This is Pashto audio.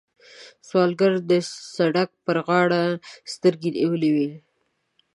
سوالګر د سړک پر غاړه سترګې نیولې وي